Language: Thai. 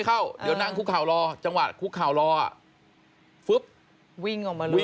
กลัวงูอ้างว่ากลัวงู